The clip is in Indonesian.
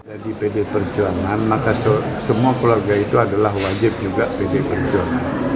jadi pd perjuangan maka semua keluarga itu adalah wajib juga pd perjuangan